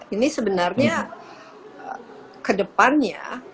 ini sebenarnya kedepannya